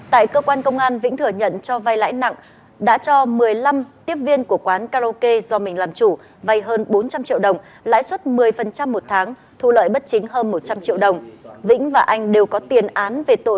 tại cơ quan công an vĩnh thừa nhận vay lãi nặng và cho một mươi năm tiếp viên của quán karaoke của màn làm chủ vay hơn bốn trăm linh triệu đồng lãi suất một mươi một tháng thù lợi bất chính hơn một trăm linh triệu đồng